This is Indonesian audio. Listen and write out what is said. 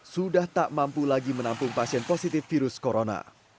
sudah tak mampu lagi menampung pasien positif virus corona